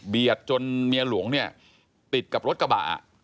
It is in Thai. จนเมียหลวงเนี่ยติดกับรถกระบะ